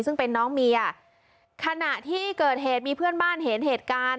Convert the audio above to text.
ซึ่งเป็นน้องเมียขณะที่เกิดเหตุมีเพื่อนบ้านเห็นเหตุการณ์